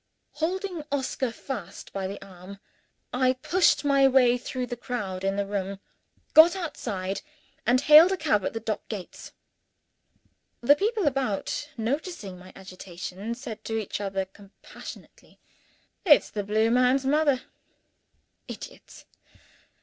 Holding Oscar fast by the arm, I pushed my way through the crowd in the room, got outside, and hailed a cab at the dock gates. The people about, noticing my agitation, said to each other compassionately, "It's the blue man's mother!" Idiots!